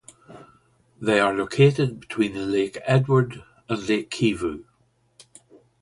They are located between Lake Edward and Lake Kivu.